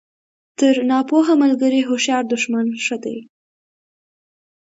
تر ناپوه ملګري هوښیار دوښمن ښه دئ!